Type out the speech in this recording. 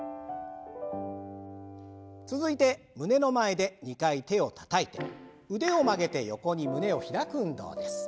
続いて胸の前で２回手をたたいて腕を曲げて横に胸を開く運動です。